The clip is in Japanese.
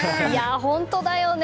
本当だよね。